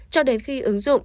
cho đến khi ứng dụng